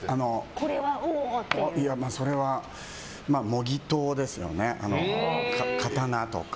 それは模擬刀ですよね。